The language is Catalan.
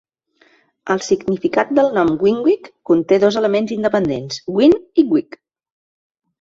El significat del nom Winwick conté dos elements independents "Win" i "wic".